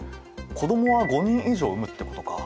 子どもは５人以上産むってことか。